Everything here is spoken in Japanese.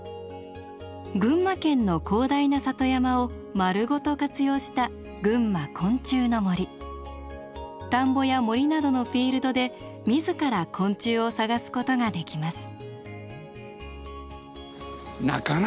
群馬県の広大な里山を丸ごと活用した田んぼや森などのフィールドで自ら昆虫を探すことができます。